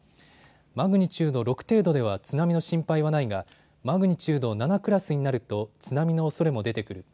マグニチュード６程度では津波の心配はないがマグニチュード７クラスになると津波のおそれも出てくる。